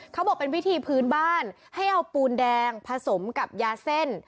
เขาบอกเป็นวิธีพื้นบ้านให้เอาปูนแดงผสมกับยาเส้น